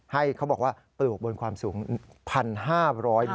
เขาบอกว่าปลูกบนความสูง๑๕๐๐เมตร